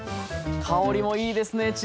香りもいいですね